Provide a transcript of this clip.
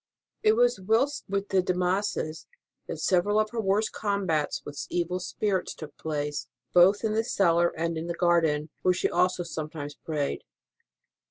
It was whilst with the De Massas that several of her worst combats with evil spirits took place, both in this cellar and in the garden, where she also sometimes prayed.